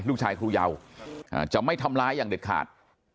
ลูกชายครูยาวอ่าจะไม่ทำร้ายอย่างเด็ดขาด